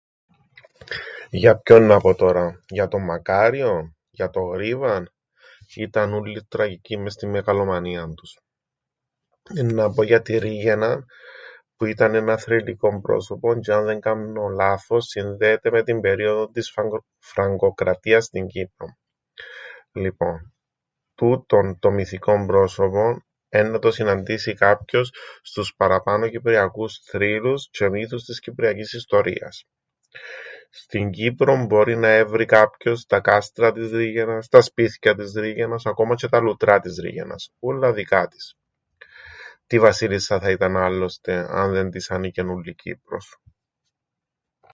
Για ποιον να πω τωρά; Για τον Μακάριον; Για τον Γρίβαν; Ήταν ούλλοι τραγικοί μες στην μεγαλομανίαν τους. Εννά πω για την Ρήγαιναν, που ήταν έναν θρυλικόν πρόσωπον τζ̆αι αν δεν κάμνω λάθος συνδέεται με την περίοδον της Φραγκο- Φραγκοκρατίας στην Κύπρον. Λοιπόν τούτον το μυθικόν πρόσωπον έννα το συναντήσει κάποιος στους παραπάνω κυπριακούς θρύλους τζ̆αι μύθους της κυπριακής ιστορίας. Στην Κύπρον μπορεί να έβρει κάποιος τα κάστρα της Ρήγαινας, τα σπίθκια της Ρήγαινας ακόμα τζ̆αι τα λουτρά της Ρήγαινας, ούλλα δικά της. Τι βασίλισσα θα ήταν άλλωστε, αν δεν της άνηκεν ούλλη η Κύπρος;